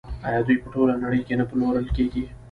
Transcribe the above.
آیا دوی په ټوله نړۍ کې نه پلورل کیږي؟